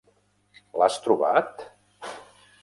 L'has trobat?